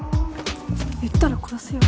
言ったら殺すよ